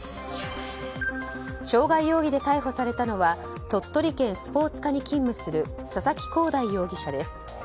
傷害容疑で逮捕されたのは鳥取県スポーツ課に勤務する佐々木耕大容疑者です。